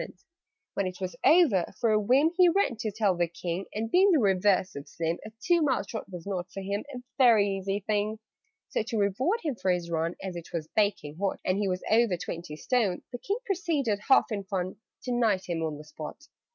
"When it was over, for a whim, He ran to tell the King; And being the reverse of slim, A two mile trot was not for him A very easy thing. "So, to reward him for his run (As it was baking hot, And he was over twenty stone), The King proceeded, half in fun, To knight him on the spot."